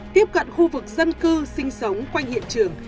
tiếp cận khu vực dân cư sinh sống quanh hiện trường